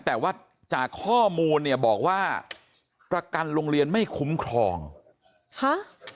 แต่ว่าจากข้อมูลเนี่ยบอกว่าประกันโรงเรียนไม่คุ้มครองฮะ